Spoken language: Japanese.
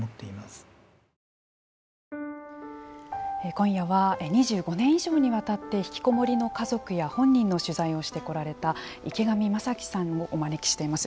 今夜は、２５年以上にわたって、ひきこもりの家族や本人の取材をしてこられた池上正樹さんをお招きしています。